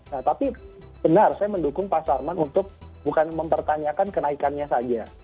nah tapi benar saya mendukung pak sarman untuk bukan mempertanyakan kenaikannya saja